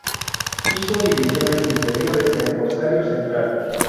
Hizo divisiones inferiores en Rosario Central.